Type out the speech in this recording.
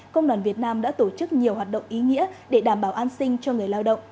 công đoàn việt nam đã tổ chức nhiều hoạt động ý nghĩa để đảm bảo an sinh cho người lao động